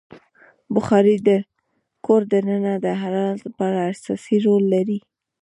بخاري د کور دننه د حرارت لپاره اساسي رول لري.